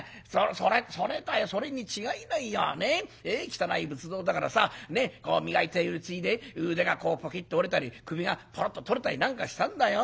汚い仏像だからさこう磨いているうちに腕がポキッと折れたり首がポロッと取れたりなんかしたんだよ。